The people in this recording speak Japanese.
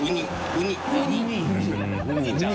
ウニちゃん。